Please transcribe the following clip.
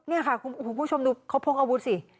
นี่ค่ะคุณผู้ชมดูเขาพกอาวุธสิ